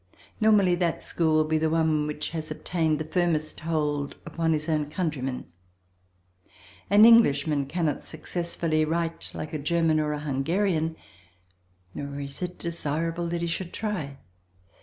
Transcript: Normally, that school will be the one which has obtained the firmest hold upon his own countrymen. An Englishman cannot successfully write like a German or a Hungarian, nor is it desirable that he should try.